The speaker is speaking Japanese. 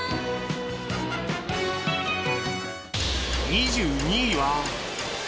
２２位は